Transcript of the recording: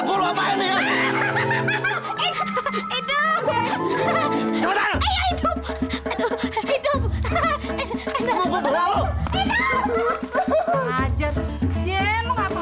kesian ama kenyak banget deh